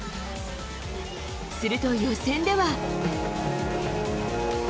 すると予選では。